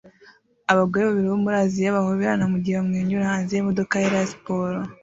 Abagore babiri bo muri Aziya bahoberana mugihe bamwenyura hanze yimodoka yera ya siporo